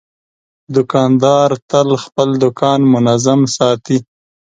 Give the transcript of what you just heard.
دوکاندار تل خپل دوکان منظم ساتي.